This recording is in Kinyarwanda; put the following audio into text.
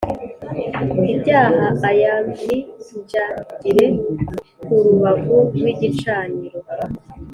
Ibyaha ayaminjagire ku rubavu rw igicaniro